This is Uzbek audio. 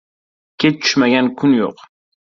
• Kech tushmagan kun yo‘q.